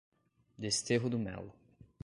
Desterro do Melo